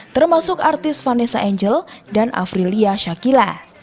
termasuk artis vanessa angel dan afrilia shakila